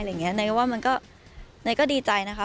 หน่อยว่ามันก็ดีใจนะคะ